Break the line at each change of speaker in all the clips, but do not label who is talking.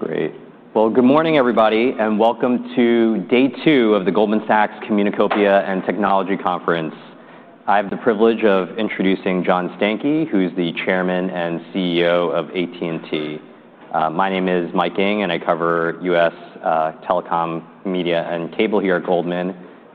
Great. Good morning, everybody, and welcome to day two of the Goldman Sachs Communicopia and Technology Conference. I have the privilege of introducing John Stankey, who's the Chairman and CEO of AT&T. My name is Mike Ng, and I cover U.S. telecom, media, and cable here at Goldman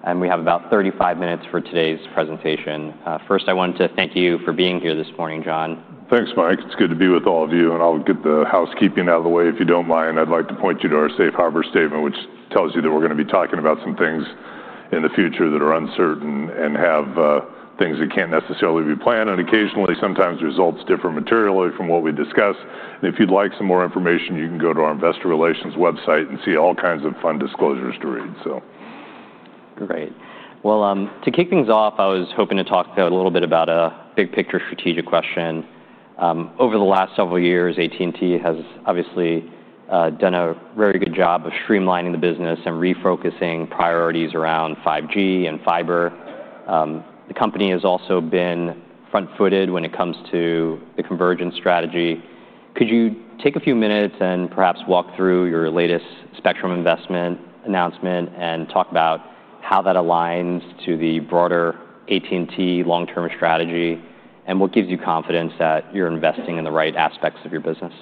Sachs. We have about 35 minutes for today's presentation. First, I wanted to thank you for being here this morning, John.
Thanks, Mike. It's good to be with all of you. I'll get the housekeeping out of the way, if you don't mind. I'd like to point you to our safe harbor statement, which tells you that we're going to be talking about some things in the future that are uncertain and have things that can't necessarily be planned. Occasionally, sometimes results differ materially from what we discuss. If you'd like some more information, you can go to our investor relations website and see all kinds of fun disclosures to read.
Great. To kick things off, I was hoping to talk a little bit about a big-picture strategic question. Over the last several years, AT&T has obviously done a very good job of streamlining the business and refocusing priorities around 5G and fiber. The company has also been front-footed when it comes to the convergence strategy. Could you take a few minutes and perhaps walk through your latest spectrum investment announcement and talk about how that aligns to the broader AT&T long-term strategy and what gives you confidence that you're investing in the right aspects of your business?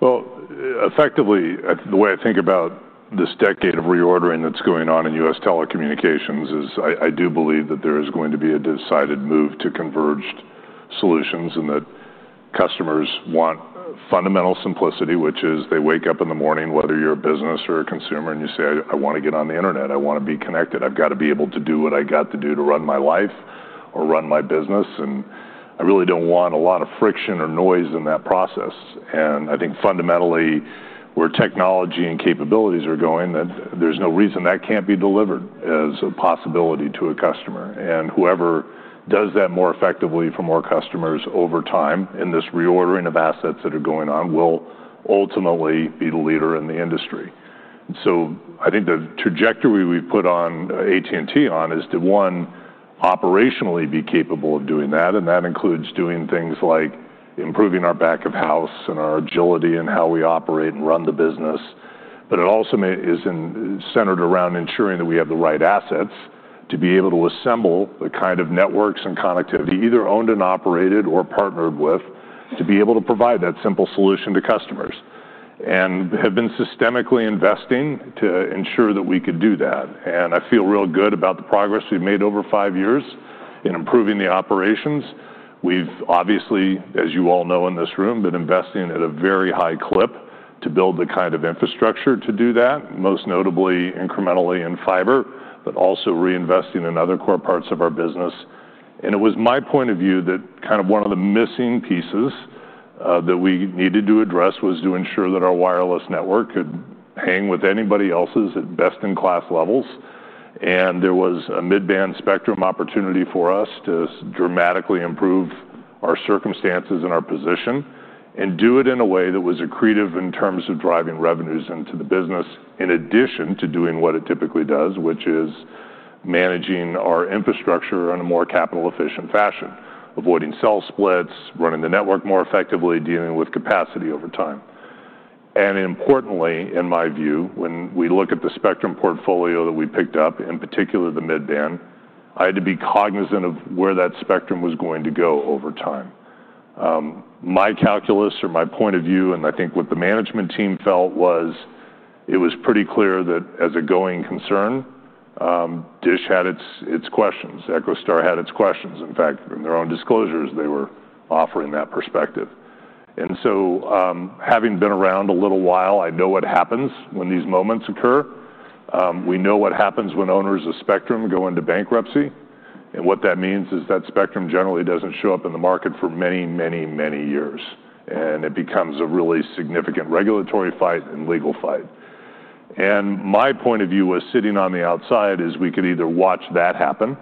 Effectively, the way I think about this decade of reordering that's going on in U.S. telecommunications is I do believe that there is going to be a decided move to converged solutions and that customers want fundamental simplicity, which is they wake up in the morning, whether you're a business or a consumer, and you say, I want to get on the internet. I want to be connected. I've got to be able to do what I've got to do to run my life or run my business. I really don't want a lot of friction or noise in that process. I think fundamentally, where technology and capabilities are going, there's no reason that can't be delivered as a possibility to a customer. Whoever does that more effectively for more customers over time in this reordering of assets that are going on will ultimately be the leader in the industry. I think the trajectory we put AT&T on is to, one, operationally be capable of doing that. That includes doing things like improving our back of house and our agility and how we operate and run the business. It also is centered around ensuring that we have the right assets to be able to assemble the kind of networks and connectivity either owned and operated or partnered with to be able to provide that simple solution to customers. We have been systemically investing to ensure that we could do that. I feel real good about the progress we've made over five years in improving the operations. We've obviously, as you all know in this room, been investing at a very high clip to build the kind of infrastructure to do that, most notably incrementally in fiber, but also reinvesting in other core parts of our business. It was my point of view that kind of one of the missing pieces that we needed to address was to ensure that our wireless network could hang with anybody else's at best-in-class levels. There was a mid-band spectrum opportunity for us to dramatically improve our circumstances and our position and do it in a way that was accretive in terms of driving revenues into the business in addition to doing what it typically does, which is managing our infrastructure in a more capital-efficient fashion, avoiding cell splits, running the network more effectively, dealing with capacity over time. Importantly, in my view, when we look at the spectrum portfolio that we picked up, in particular the mid-band, I had to be cognizant of where that spectrum was going to go over time. My calculus or my point of view, and I think what the management team felt, was it was pretty clear that as a going concern, DISH had its questions. EchoStar had its questions. In fact, in their own disclosures, they were offering that perspective. Having been around a little while, I know what happens when these moments occur. We know what happens when owners of spectrum go into bankruptcy. What that means is that spectrum generally doesn't show up in the market for many, many, many years. It becomes a really significant regulatory fight and legal fight. My point of view was sitting on the outside is we could either watch that happen,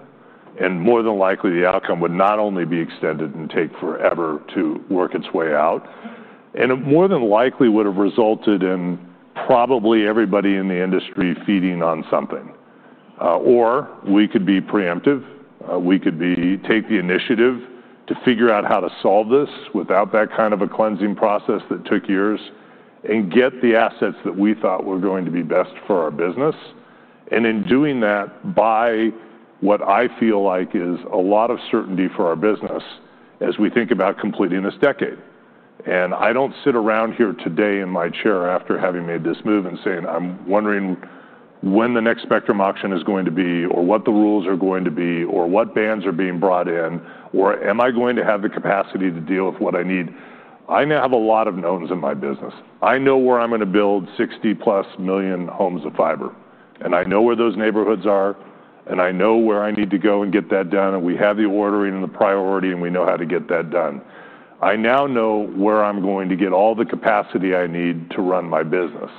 and more than likely, the outcome would not only be extended and take forever to work its way out, and it more than likely would have resulted in probably everybody in the industry feeding on something. We could be preemptive. We could take the initiative to figure out how to solve this without that kind of a cleansing process that took years and get the assets that we thought were going to be best for our business. In doing that, buy what I feel like is a lot of certainty for our business as we think about completing this decade. I don't sit around here today in my chair after having made this move and saying, I'm wondering when the next spectrum auction is going to be or what the rules are going to be or what bands are being brought in, or am I going to have the capacity to deal with what I need? I now have a lot of knowns in my business. I know where I'm going to build 60+ million homes of fiber. I know where those neighborhoods are. I know where I need to go and get that done. We have the ordering and the priority, and we know how to get that done. I now know where I'm going to get all the capacity I need to run my business.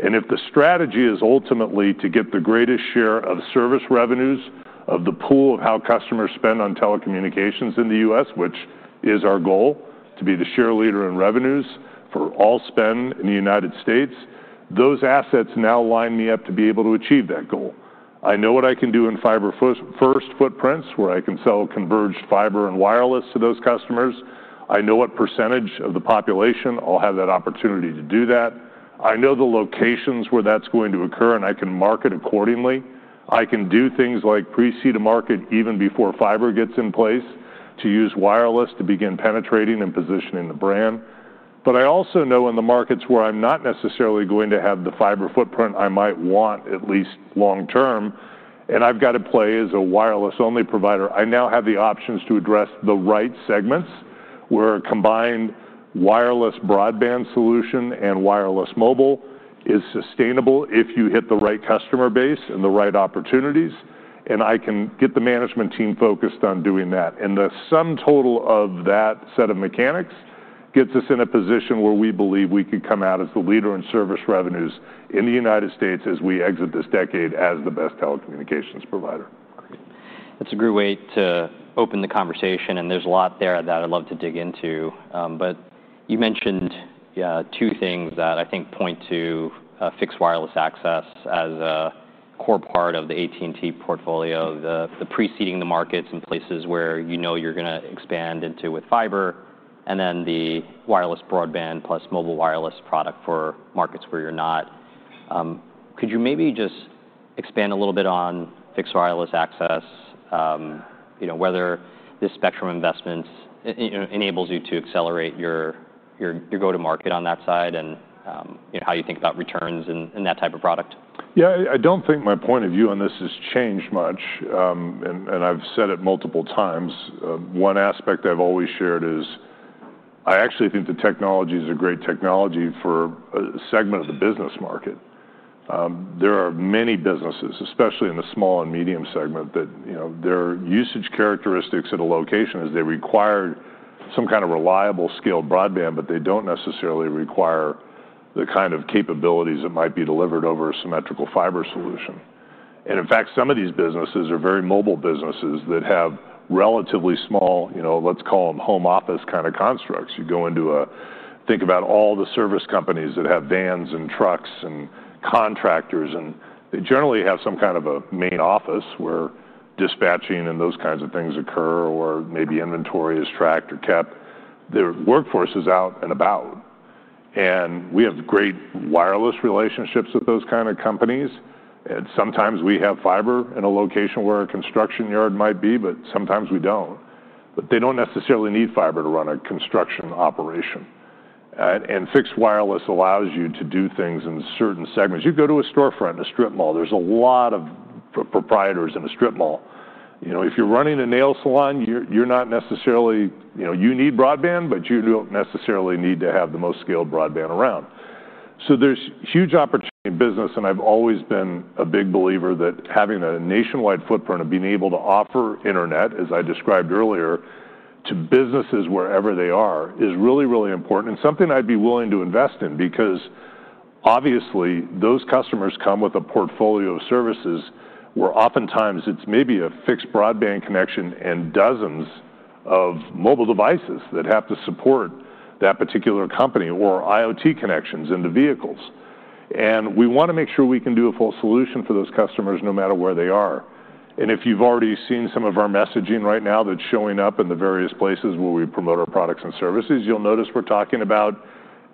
If the strategy is ultimately to get the greatest share of service revenues of the pool of how customers spend on telecommunications in the U.S., which is our goal to be the share leader in revenues for all spend in the United States, those assets now line me up to be able to achieve that goal. I know what I can do in fiber-first footprints, where I can sell converged fiber and wireless to those customers. I know what % of the population will have that opportunity to do that. I know the locations where that's going to occur, and I can market accordingly. I can do things like pre-seed a market even before fiber gets in place to use wireless to begin penetrating and positioning the brand. I also know in the markets where I'm not necessarily going to have the fiber footprint I might want at least long-term, and I've got to play as a wireless-only provider. I now have the options to address the right segments where a combined wireless broadband solution and wireless mobile is sustainable if you hit the right customer base and the right opportunities. I can get the management team focused on doing that. The sum total of that set of mechanics gets us in a position where we believe we could come out as the leader in service revenues in the U.S. as we exit this decade as the best telecommunications provider.
That's a great way to open the conversation. There's a lot there that I'd love to dig into. You mentioned two things that I think point to fixed wireless access as a core part of the AT&T portfolio, the preceding the markets and places where you know you're going to expand into with fiber, and then the wireless broadband plus mobile wireless product for markets where you're not. Could you maybe just expand a little bit on fixed wireless access, whether this spectrum investment enables you to accelerate your go-to-market on that side and how you think about returns in that type of product?
Yeah, I don't think my point of view on this has changed much. I've said it multiple times. One aspect I've always shared is I actually think the technology is a great technology for a segment of the business market. There are many businesses, especially in the small and medium segment, that their usage characteristics at a location is they require some kind of reliable scaled broadband, but they don't necessarily require the kind of capabilities that might be delivered over a symmetrical fiber solution. In fact, some of these businesses are very mobile businesses that have relatively small, let's call them home office kind of constructs. You go into a think about all the service companies that have vans and trucks and contractors, and they generally have some kind of a main office where dispatching and those kinds of things occur or maybe inventory is tracked or kept. Their workforce is out and about. We have great wireless relationships with those kind of companies. Sometimes we have fiber in a location where a construction yard might be, but sometimes we don't. They don't necessarily need fiber to run a construction operation. Fixed wireless allows you to do things in certain segments. You go to a storefront in a strip mall, there's a lot of proprietors in a strip mall. If you're running a nail salon, you need broadband, but you don't necessarily need to have the most scaled broadband around. There's huge opportunity in business. I've always been a big believer that having a nationwide footprint of being able to offer internet, as I described earlier, to businesses wherever they are is really, really important and something I'd be willing to invest in because obviously those customers come with a portfolio of services where oftentimes it's maybe a fixed broadband connection and dozens of mobile devices that have to support that particular company or IoT connections in the vehicles. We want to make sure we can do a full solution for those customers no matter where they are. If you've already seen some of our messaging right now that's showing up in the various places where we promote our products and services, you'll notice we're talking about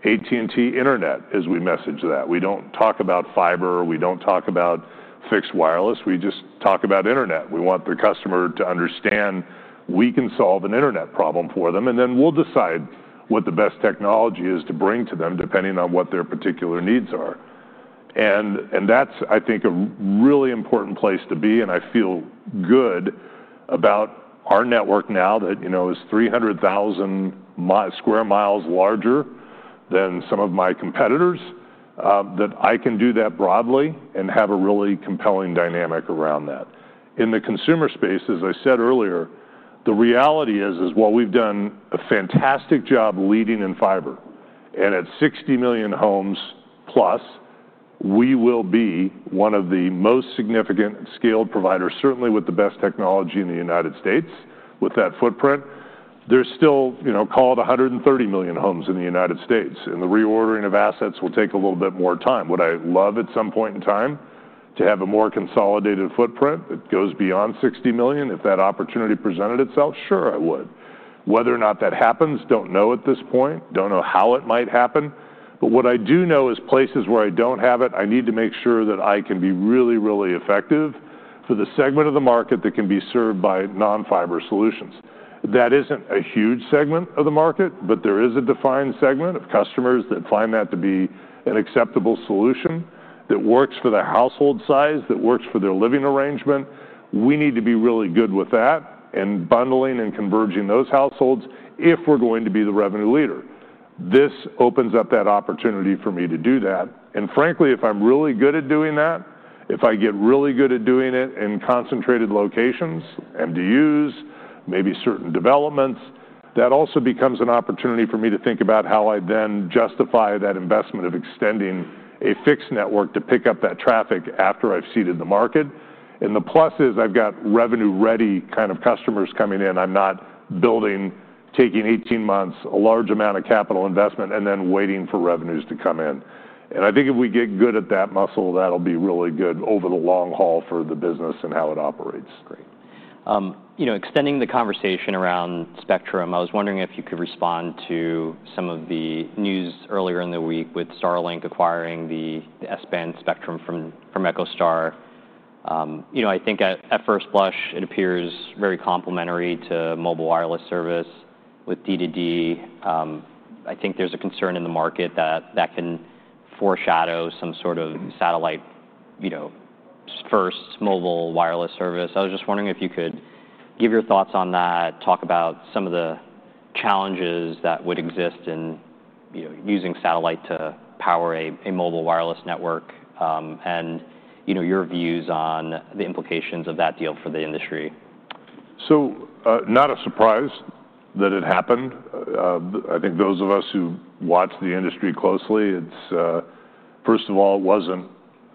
AT&T internet as we message that. We don't talk about fiber. We don't talk about fixed wireless. We just talk about internet. We want the customer to understand we can solve an internet problem for them. We'll decide what the best technology is to bring to them depending on what their particular needs are. I think that's a really important place to be. I feel good about our network now that is 300,000 square miles larger than some of my competitors, that I can do that broadly and have a really compelling dynamic around that. In the consumer space, as I said earlier, the reality is, while we've done a fantastic job leading in fiber and at 60 million homes plus, we will be one of the most significant scaled providers, certainly with the best technology in the United States with that footprint. There's still, you know, call it 130 million homes in the United States. The reordering of assets will take a little bit more time. Would I love at some point in time to have a more consolidated footprint that goes beyond 60 million if that opportunity presented itself? Sure, I would. Whether or not that happens, don't know at this point. Don't know how it might happen. What I do know is places where I don't have it, I need to make sure that I can be really, really effective for the segment of the market that can be served by non-fiber solutions. That isn't a huge segment of the market, but there is a defined segment of customers that find that to be an acceptable solution that works for the household size, that works for their living arrangement. We need to be really good with that and bundling and converging those households if we're going to be the revenue leader. This opens up that opportunity for me to do that. Frankly, if I'm really good at doing that, if I get really good at doing it in concentrated locations, MDUs, maybe certain developments, that also becomes an opportunity for me to think about how I then justify that investment of extending a fixed network to pick up that traffic after I've seeded the market. The plus is I've got revenue-ready kind of customers coming in. I'm not building, taking 18 months, a large amount of capital investment, and then waiting for revenues to come in. I think if we get good at that muscle, that'll be really good over the long haul for the business and how it operates.
Great. Extending the conversation around spectrum, I was wondering if you could respond to some of the news earlier in the week with Starlink acquiring the S-band spectrum from EchoStar. I think at first blush, it appears very complementary to mobile wireless service with D to D. I think there's a concern in the market that that can foreshadow some sort of satellite-first mobile wireless service. I was just wondering if you could give your thoughts on that, talk about some of the challenges that would exist in using satellite to power a mobile wireless network, and your views on the implications of that deal for the industry.
Not a surprise that it happened. I think those of us who watch the industry closely, first of all, it wasn't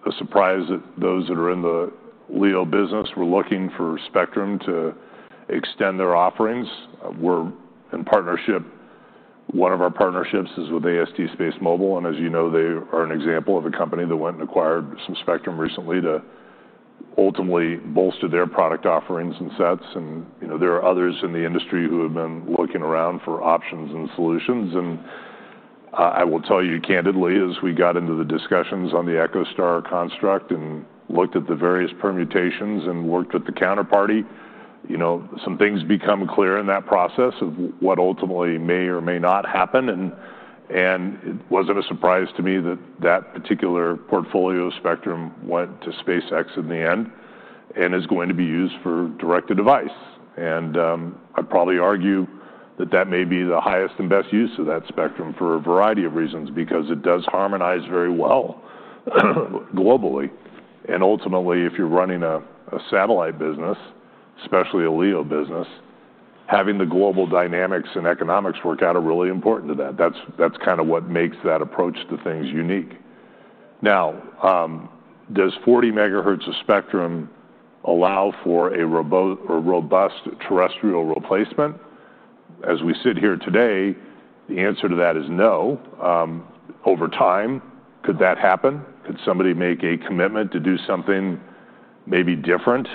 a surprise that those that are in the LEO business were looking for spectrum to extend their offerings. We're in partnership. One of our partnerships is with AST SpaceMobile. As you know, they are an example of a company that went and acquired some spectrum recently to ultimately bolster their product offerings and sets. There are others in the industry who have been looking around for options and solutions. I will tell you candidly, as we got into the discussions on the EchoStar construct and looked at the various permutations and worked with the counterparty, some things become clear in that process of what ultimately may or may not happen. It wasn't a surprise to me that that particular portfolio spectrum went to SpaceX in the end and is going to be used for direct-to-device. I'd probably argue that that may be the highest and best use of that spectrum for a variety of reasons because it does harmonize very well globally. Ultimately, if you're running a satellite business, especially a LEO business, having the global dynamics and economics work out are really important to that. That's kind of what makes that approach to things unique. Now, does 40 MHz of spectrum allow for a robust terrestrial replacement? As we sit here today, the answer to that is no. Over time, could that happen? Could somebody make a commitment to do something maybe different?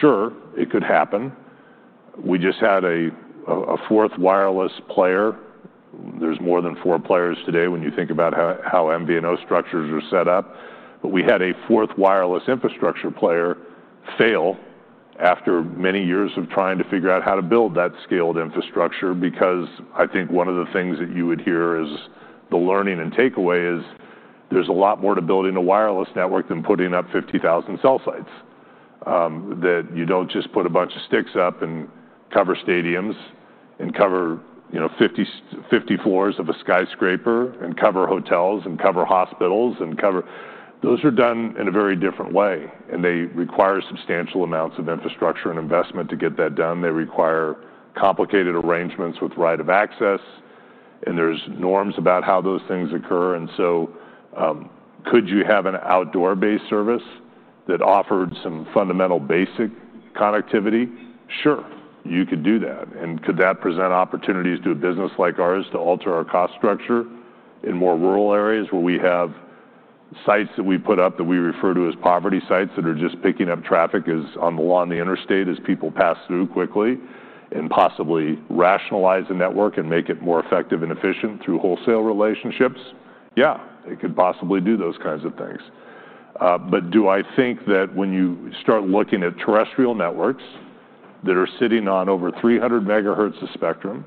Sure, it could happen. We just had a fourth wireless player. There's more than four players today when you think about how MVNO structures are set up. We had a fourth wireless infrastructure player fail after many years of trying to figure out how to build that scaled infrastructure because I think one of the things that you would hear is the learning and takeaway is there's a lot more to building a wireless network than putting up 50,000 cell sites. You don't just put a bunch of sticks up and cover stadiums and cover 50 floors of a skyscraper and cover hotels and cover hospitals and cover. Those are done in a very different way. They require substantial amounts of infrastructure and investment to get that done. They require complicated arrangements with right of access. There are norms about how those things occur. Could you have an outdoor-based service that offered some fundamental basic connectivity? Sure, you could do that. Could that present opportunities to a business like ours to alter our cost structure in more rural areas where we have sites that we put up that we refer to as poverty sites that are just picking up traffic on the lawn of the interstate as people pass through quickly and possibly rationalize the network and make it more effective and efficient through wholesale relationships? Yeah, it could possibly do those kinds of things. Do I think that when you start looking at terrestrial networks that are sitting on over 300 megahertz of spectrum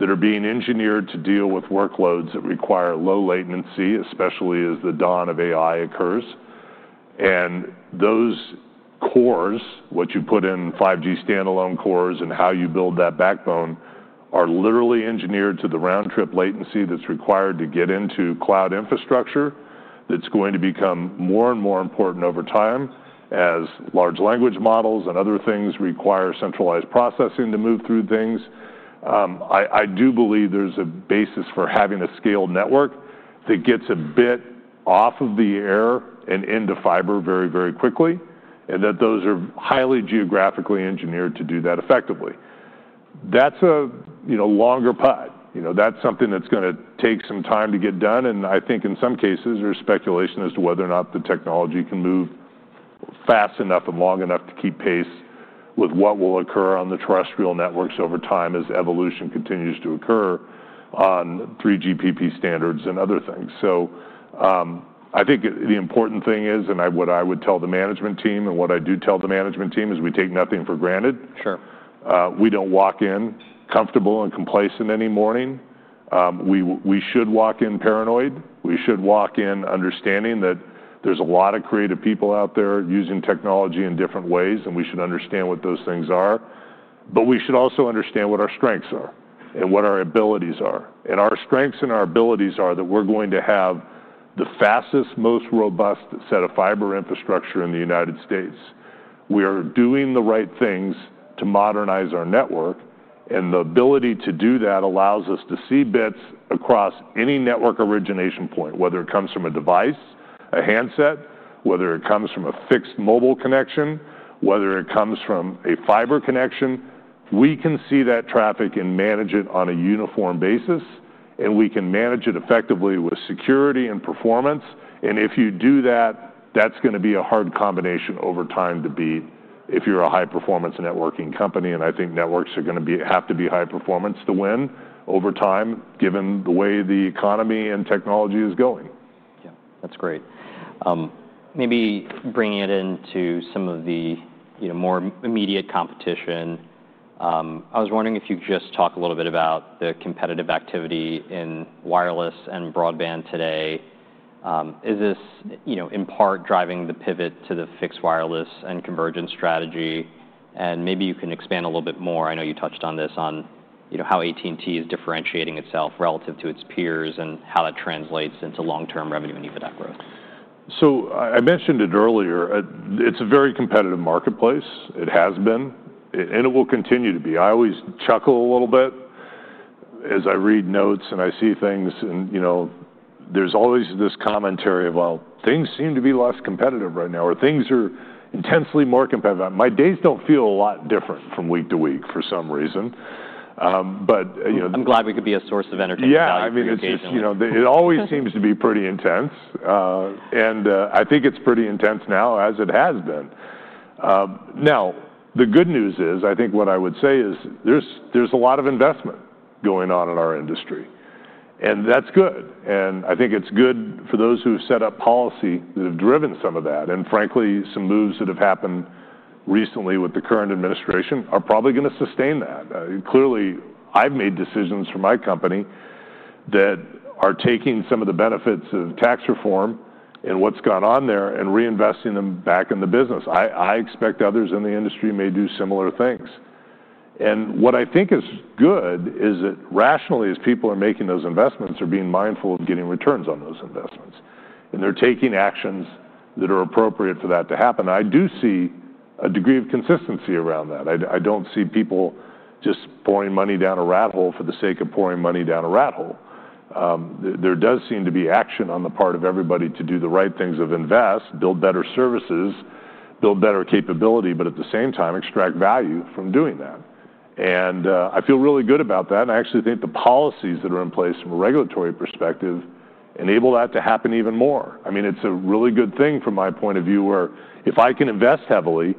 that are being engineered to deal with workloads that require low latency, especially as the dawn of AI occurs, and those cores, what you put in 5G standalone cores and how you build that backbone, are literally engineered to the round-trip latency that's required to get into cloud infrastructure that's going to become more and more important over time as large language models and other things require centralized processing to move through things? I do believe there's a basis for having a scaled network that gets a bit off of the air and into fiber very, very quickly and that those are highly geographically engineered to do that effectively. That's a longer pot. That's something that's going to take some time to get done. I think in some cases, there's speculation as to whether or not the technology can move fast enough and long enough to keep pace with what will occur on the terrestrial networks over time as evolution continues to occur on 3GPP standards and other things. I think the important thing is, and what I would tell the management team and what I do tell the management team is we take nothing for granted.
Sure.
We don't walk in comfortable and complacent any morning. We should walk in paranoid. We should walk in understanding that there's a lot of creative people out there using technology in different ways, and we should understand what those things are. We should also understand what our strengths are and what our abilities are. Our strengths and our abilities are that we're going to have the fastest, most robust set of fiber infrastructure in the U.S. We are doing the right things to modernize our network. The ability to do that allows us to see bits across any network origination point, whether it comes from a device, a handset, whether it comes from a fixed mobile connection, whether it comes from a fiber connection. We can see that traffic and manage it on a uniform basis. We can manage it effectively with security and performance. If you do that, that's going to be a hard combination over time to beat if you're a high-performance networking company. I think networks are going to have to be high-performance to win over time, given the way the economy and technology is going.
Yeah, that's great. Maybe bringing it into some of the more immediate competition, I was wondering if you could just talk a little bit about the competitive activity in wireless and broadband today. Is this in part driving the pivot to the fixed wireless and convergence strategy? Maybe you can expand a little bit more. I know you touched on this on how AT&T is differentiating itself relative to its peers and how that translates into long-term revenue and EBITDA growth.
I mentioned it earlier. It's a very competitive marketplace. It has been, and it will continue to be. I always chuckle a little bit as I read notes and I see things. There's always this commentary of, things seem to be less competitive right now, or things are intensely more competitive. My days don't feel a lot different from week to week for some reason.
I'm glad we could be a source of entertainment.
Yeah, I mean, it always seems to be pretty intense. I think it's pretty intense now, as it has been. The good news is, I think what I would say is there's a lot of investment going on in our industry. That's good. I think it's good for those who have set up policy that have driven some of that. Frankly, some moves that have happened recently with the current administration are probably going to sustain that. Clearly, I've made decisions for my company that are taking some of the benefits of tax reform and what's gone on there and reinvesting them back in the business. I expect others in the industry may do similar things. What I think is good is that rationally, as people are making those investments, they're being mindful of getting returns on those investments. They're taking actions that are appropriate for that to happen. I do see a degree of consistency around that. I don't see people just pouring money down a rat hole for the sake of pouring money down a rat hole. There does seem to be action on the part of everybody to do the right things of invest, build better services, build better capability, but at the same time, extract value from doing that. I feel really good about that. I actually think the policies that are in place from a regulatory perspective enable that to happen even more. It's a really good thing from my point of view where if I can invest heavily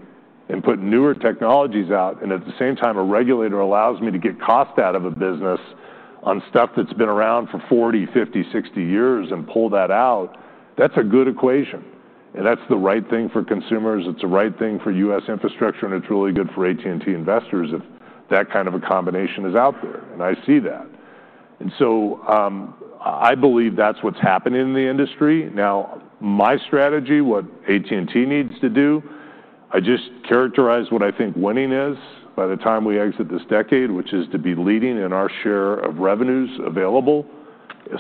and put newer technologies out, and at the same time, a regulator allows me to get cost out of a business on stuff that's been around for 40, 50, 60 years and pull that out, that's a good equation. That's the right thing for consumers. It's the right thing for U.S. infrastructure. It's really good for AT&T investors if that kind of a combination is out there. I see that. I believe that's what's happening in the industry. Now, my strategy, what AT&T needs to do, I just characterize what I think winning is by the time we exit this decade, which is to be leading in our share of revenues available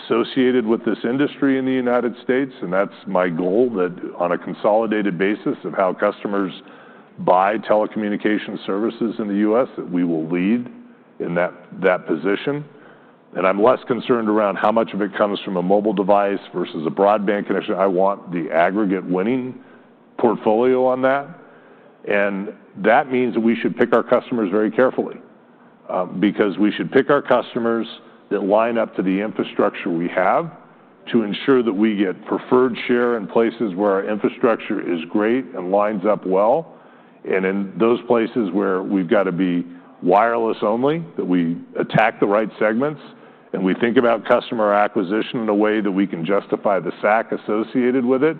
associated with this industry in the United States. That's my goal that on a consolidated basis of how customers buy telecommunication services in the U.S., that we will lead in that position. I'm less concerned around how much of it comes from a mobile device versus a broadband connection. I want the aggregate winning portfolio on that. That means that we should pick our customers very carefully because we should pick our customers that line up to the infrastructure we have to ensure that we get preferred share in places where our infrastructure is great and lines up well. In those places where we've got to be wireless only, we attack the right segments. We think about customer acquisition in a way that we can justify the SAC associated with it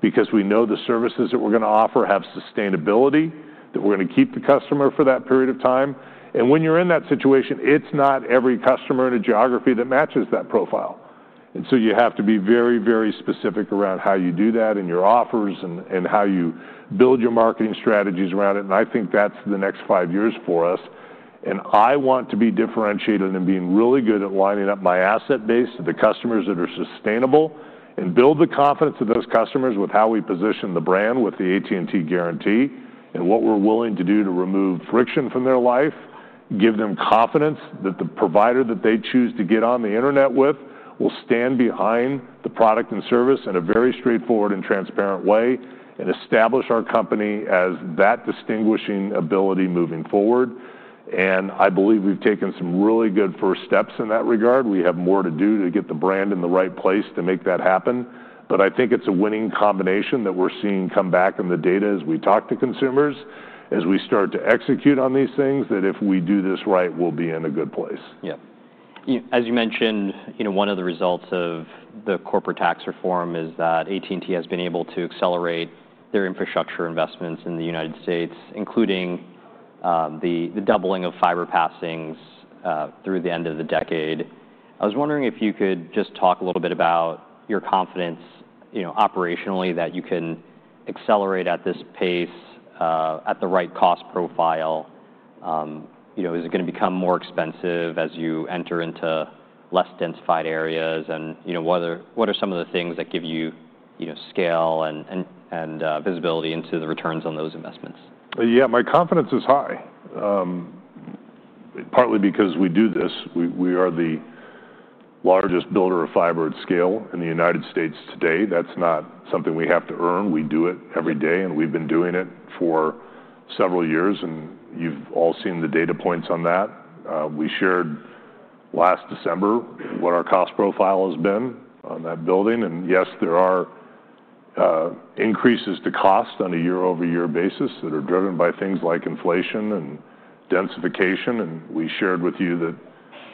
because we know the services that we're going to offer have sustainability, that we're going to keep the customer for that period of time. When you're in that situation, it's not every customer in a geography that matches that profile. You have to be very, very specific around how you do that in your offers and how you build your marketing strategies around it. I think that's the next five years for us. I want to be differentiated in being really good at lining up my asset base to the customers that are sustainable and build the confidence of those customers with how we position the brand with the AT&T guarantee and what we're willing to do to remove friction from their life, give them confidence that the provider that they choose to get on the internet with will stand behind the product and service in a very straightforward and transparent way, and establish our company as that distinguishing ability moving forward. I believe we've taken some really good first steps in that regard. We have more to do to get the brand in the right place to make that happen. I think it's a winning combination that we're seeing come back in the data as we talk to consumers, as we start to execute on these things, that if we do this right, we'll be in a good place.
Yeah. As you mentioned, one of the results of the corporate tax reform is that AT&T has been able to accelerate their infrastructure investments in the U.S., including the doubling of fiber passings through the end of the decade. I was wondering if you could just talk a little bit about your confidence operationally that you can accelerate at this pace at the right cost profile. Is it going to become more expensive as you enter into less densified areas? What are some of the things that give you scale and visibility into the returns on those investments?
Yeah, my confidence is high, partly because we do this. We are the largest builder of fiber at scale in the U.S. today. That's not something we have to earn. We do it every day, and we've been doing it for several years. You've all seen the data points on that. We shared last December what our cost profile has been on that building. Yes, there are increases to cost on a year-over-year basis that are driven by things like inflation and densification. We shared with you that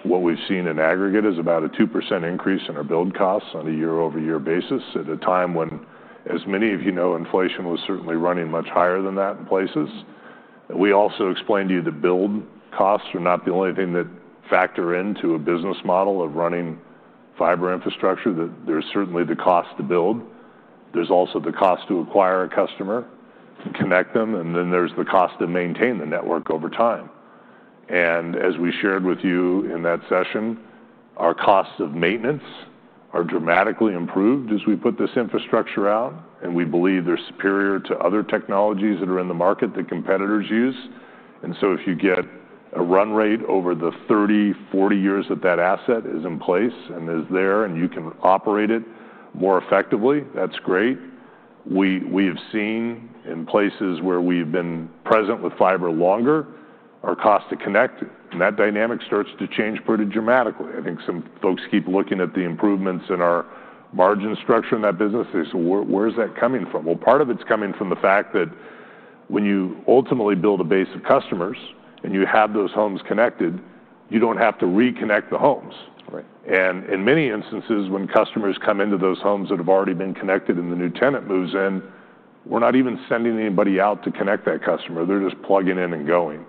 what we've seen in aggregate is about a 2% increase in our build costs on a year-over-year basis at a time when, as many of you know, inflation was certainly running much higher than that in places. We also explained to you that build costs are not the only thing that factor into a business model of running fiber infrastructure. There's certainly the cost to build. There's also the cost to acquire a customer and connect them, and then there's the cost to maintain the network over time. As we shared with you in that session, our costs of maintenance are dramatically improved as we put this infrastructure out. We believe they're superior to other technologies that are in the market that competitors use. If you get a run rate over the 30, 40 years that that asset is in place and is there and you can operate it more effectively, that's great. We have seen in places where we've been present with fiber longer, our cost to connect and that dynamic starts to change pretty dramatically. I think some folks keep looking at the improvements in our margin structure in that business. They say, where is that coming from? Part of it's coming from the fact that when you ultimately build a base of customers and you have those homes connected, you don't have to reconnect the homes.
Right.
In many instances, when customers come into those homes that have already been connected and the new tenant moves in, we're not even sending anybody out to connect that customer. They're just plugging in and going.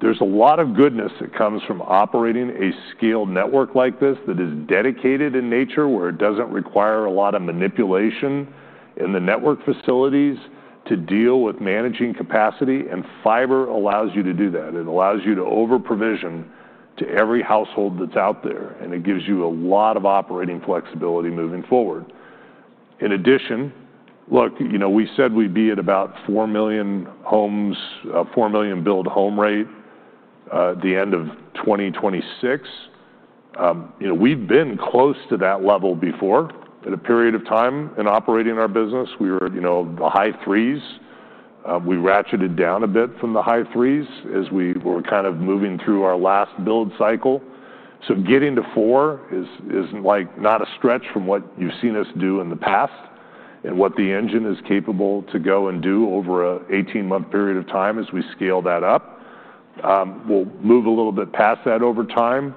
There is a lot of goodness that comes from operating a scaled network like this that is dedicated in nature, where it doesn't require a lot of manipulation in the network facilities to deal with managing capacity. Fiber allows you to do that. It allows you to over-provision to every household that's out there, and it gives you a lot of operating flexibility moving forward. In addition, look, you know, we said we'd be at about 4 million homes, a 4 million build home rate at the end of 2026. We've been close to that level before in a period of time in operating our business. We were in the high threes. We ratcheted down a bit from the high threes as we were kind of moving through our last build cycle. Getting to 4 million is not a stretch from what you've seen us do in the past and what the engine is capable to go and do over an 18-month period of time as we scale that up. We'll move a little bit past that over time.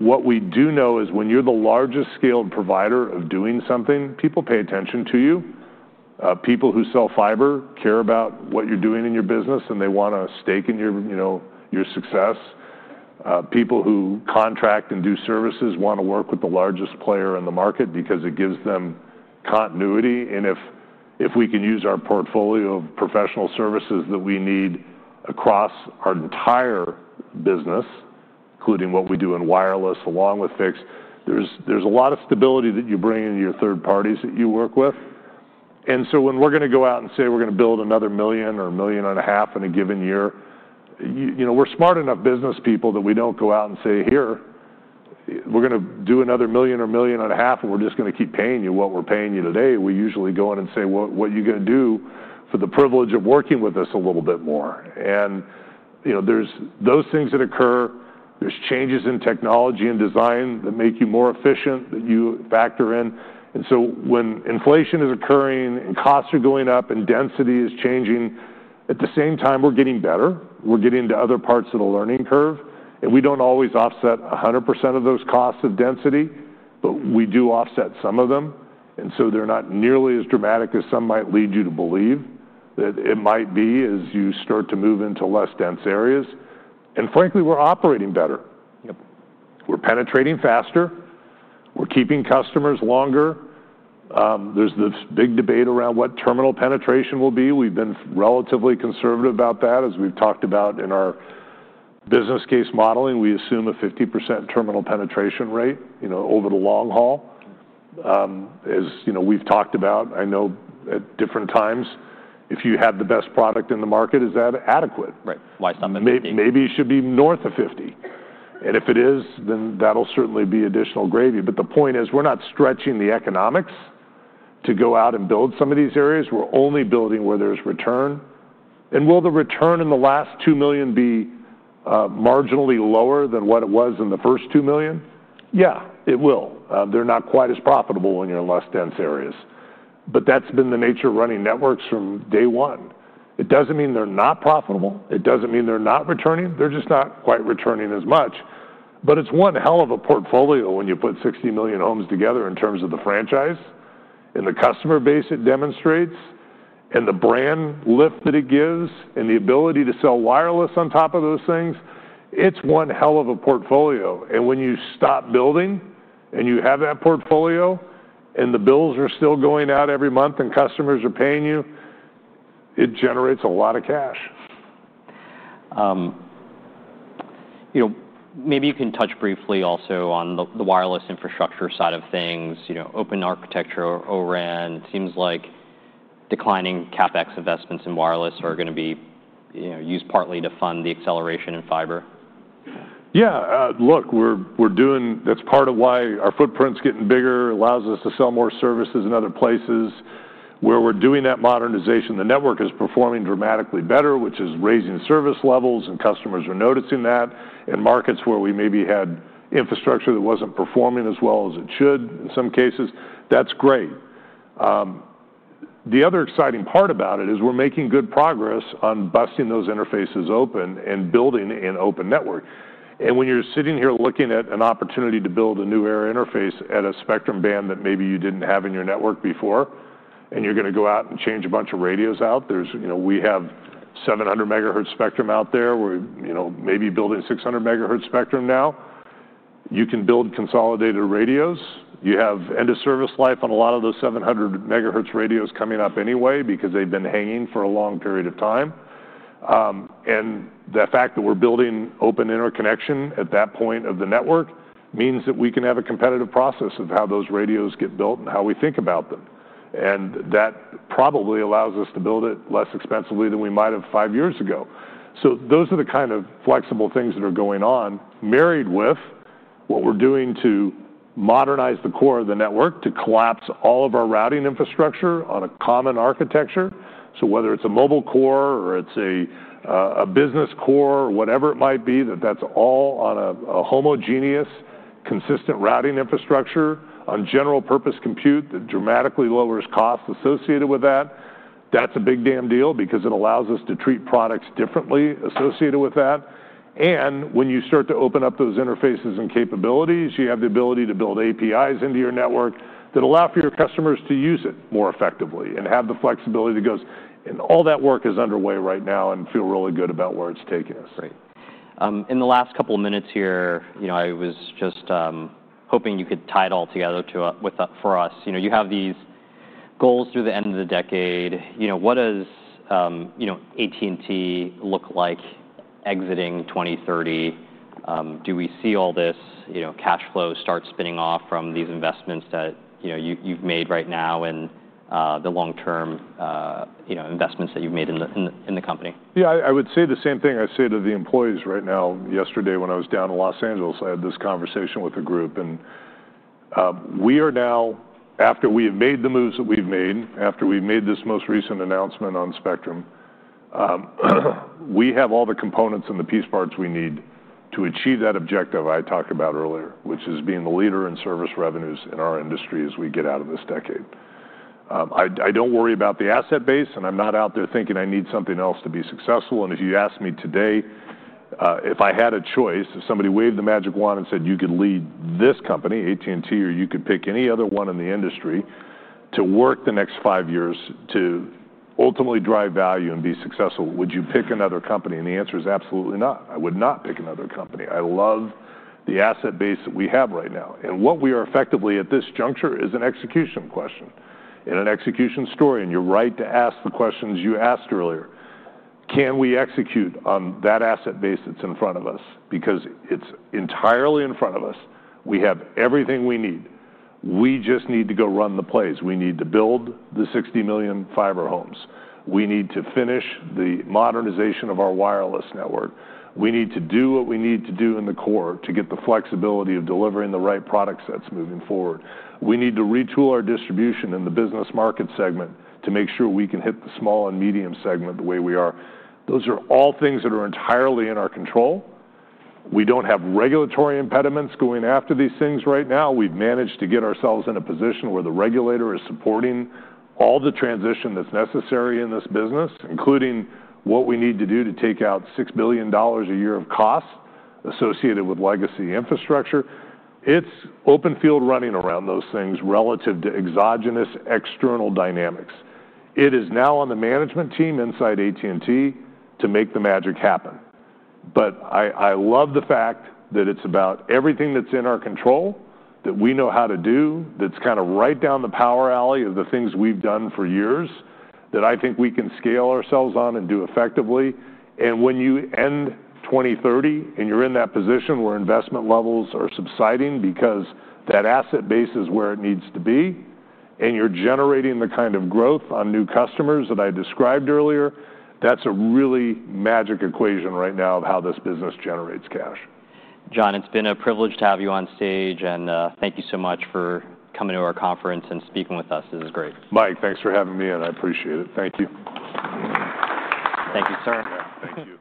What we do know is when you're the largest scaled provider of doing something, people pay attention to you. People who sell fiber care about what you're doing in your business, and they want a stake in your success. People who contract and do services want to work with the largest player in the market because it gives them continuity. If we can use our portfolio of professional services that we need across our entire business, including what we do in wireless along with fixed, there is a lot of stability that you bring in your third parties that you work with. When we're going to go out and say we're going to build another million or a million and a half in a given year, we're smart enough business people that we don't go out and say, here, we're going to do another million or a million and a half, and we're just going to keep paying you what we're paying you today. We usually go in and say, what are you going to do for the privilege of working with us a little bit more? There are those things that occur. There are changes in technology and design that make you more efficient that you factor in. When inflation is occurring and costs are going up and density is changing, at the same time, we're getting better. We're getting to other parts of the learning curve. We don't always offset 100% of those costs of density, but we do offset some of them, so they're not nearly as dramatic as some might lead you to believe that it might be as you start to move into less dense areas. Frankly, we're operating better.
Yep.
We're penetrating faster. We're keeping customers longer. There's this big debate around what terminal penetration will be. We've been relatively conservative about that. As we've talked about in our business case modeling, we assume a 50% terminal penetration rate over the long haul. As we've talked about, I know at different times, if you have the best product in the market, is that adequate?
Right. Lifetime inventory.
Maybe it should be north of 50. If it is, that'll certainly be additional gravy. The point is we're not stretching the economics to go out and build some of these areas. We're only building where there's return. Will the return in the last 2 million be marginally lower than what it was in the first 2 million? Yeah, it will. They're not quite as profitable when you're in less dense areas. That's been the nature of running networks from day one. It doesn't mean they're not profitable. It doesn't mean they're not returning. They're just not quite returning as much. It's one hell of a portfolio when you put 60 million homes together in terms of the franchise and the customer base it demonstrates and the brand lift that it gives and the ability to sell wireless on top of those things. It's one hell of a portfolio. When you stop building and you have that portfolio and the bills are still going out every month and customers are paying you, it generates a lot of cash.
Maybe you can touch briefly also on the wireless infrastructure side of things, open architecture or O-RAN. It seems like declining CapEx investments in wireless are going to be used partly to fund the acceleration in fiber.
Yeah, look, we're doing that's part of why our footprint's getting bigger. It allows us to sell more services in other places. Where we're doing that modernization, the network is performing dramatically better, which is raising service levels, and customers are noticing that in markets where we maybe had infrastructure that wasn't performing as well as it should in some cases. That's great. The other exciting part about it is we're making good progress on busting those interfaces open and building an open network. When you're sitting here looking at an opportunity to build a new air interface at a spectrum band that maybe you didn't have in your network before, and you're going to go out and change a bunch of radios out, we have 700 MHz spectrum out there. We're maybe building 600 MHz spectrum now. You can build consolidated radios. You have end-of-service life on a lot of those 700 MHz radios coming up anyway because they've been hanging for a long period of time. The fact that we're building open interconnection at that point of the network means that we can have a competitive process of how those radios get built and how we think about them. That probably allows us to build it less expensively than we might have five years ago. Those are the kind of flexible things that are going on, married with what we're doing to modernize the core of the network to collapse all of our routing infrastructure on a common architecture. Whether it's a mobile core or it's a business core or whatever it might be, that's all on a homogeneous, consistent routing infrastructure on general-purpose compute that dramatically lowers costs associated with that. That's a big damn deal because it allows us to treat products differently associated with that. When you start to open up those interfaces and capabilities, you have the ability to build APIs into your network that allow for your customers to use it more effectively and have the flexibility that goes, and all that work is underway right now and feel really good about where it's taking us.
Right. In the last couple of minutes here, I was just hoping you could tie it all together for us. You have these goals through the end of the decade. What does AT&T look like exiting 2030? Do we see all this cash flow start spinning off from these investments that you've made right now and the long-term investments that you've made in the company?
Yeah, I would say the same thing I say to the employees right now. Yesterday, when I was down in Los Angeles, I had this conversation with a group. We are now, after we have made the moves that we've made, after we've made this most recent announcement on spectrum, we have all the components and the piece parts we need to achieve that objective I talked about earlier, which is being the leader in service revenues in our industry as we get out of this decade. I don't worry about the asset base, and I'm not out there thinking I need something else to be successful. If you asked me today, if I had a choice, if somebody waved the magic wand and said, you could lead this company, AT&T, or you could pick any other one in the industry to work the next five years to ultimately drive value and be successful, would you pick another company? The answer is absolutely not. I would not pick another company. I love the asset base that we have right now. What we are effectively at this juncture is an execution question and an execution story. You're right to ask the questions you asked earlier. Can we execute on that asset base that's in front of us? It's entirely in front of us. We have everything we need. We just need to go run the plays. We need to build the 60 million fiber homes. We need to finish the modernization of our wireless network. We need to do what we need to do in the core to get the flexibility of delivering the right product sets moving forward. We need to retool our distribution in the business market segment to make sure we can hit the small and medium segment the way we are. Those are all things that are entirely in our control. We don't have regulatory impediments going after these things right now. We've managed to get ourselves in a position where the regulator is supporting all the transition that's necessary in this business, including what we need to do to take out $6 billion a year of costs associated with legacy infrastructure. It's open field running around those things relative to exogenous external dynamics. It is now on the management team inside AT&T to make the magic happen. I love the fact that it's about everything that's in our control that we know how to do that's kind of right down the power alley of the things we've done for years that I think we can scale ourselves on and do effectively. When you end 2030 and you're in that position where investment levels are subsiding because that asset base is where it needs to be and you're generating the kind of growth on new customers that I described earlier, that's a really magic equation right now of how this business generates cash.
John, it's been a privilege to have you on stage. Thank you so much for coming to our conference and speaking with us. This is great.
Mike, thanks for having me in. I appreciate it. Thank you.
Thank you, sir.
Yeah, thank you.